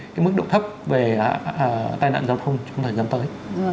và duy trì mức độ thấp về tai nạn giao thông trong thời gian tới